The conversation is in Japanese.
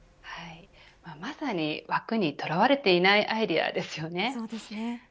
まさに枠にとらわれていないアイデアですよね。